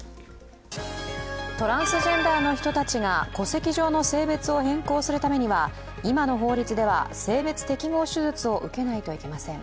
トランスジェンダーの人たちが戸籍上の性別を変更するためには今の法律では性別適合手術を受けないといけません。